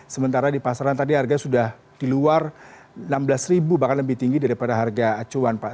sementara di pasaran tadi harga sudah di luar rp enam belas bahkan lebih tinggi daripada harga acuan pak